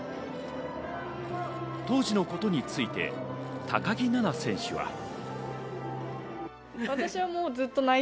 当時のことについて高木菜那選手は。